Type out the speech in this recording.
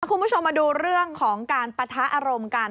คุณผู้ชมมาดูเรื่องของการปะทะอารมณ์กัน